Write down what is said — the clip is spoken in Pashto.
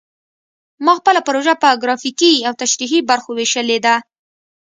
ما خپله پروژه په ګرافیکي او تشریحي برخو ویشلې ده